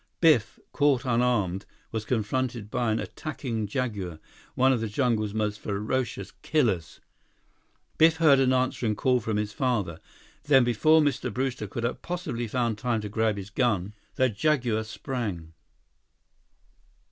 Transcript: Biff, caught unarmed, was confronted by an attacking jaguar, one of the jungle's most ferocious killers. Biff heard an answering call from his father. Then, before Mr. Brewster could have possibly found time to grab his gun, the jaguar sprang!